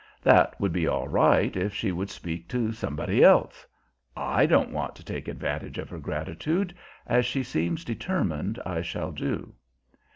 That would be all right if she would speak to somebody else. I don't want to take advantage of her gratitude, as she seems determined I shall do.